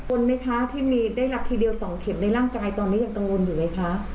นไหมคะที่มีได้รับทีเดียว๒เข็มในร่างกายตอนนี้ยังกังวลอยู่ไหมคะ